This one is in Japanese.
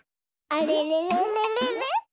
あれれれれれれ？